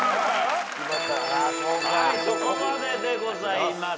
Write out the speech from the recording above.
はいそこまででございます。